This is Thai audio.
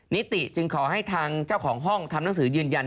นิติจึงขอให้ทางเจ้าของห้องทำหนังสือยืนยัน